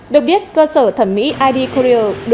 được biết cơ sở thẩm mỹ id courier được ủy ban nhân dân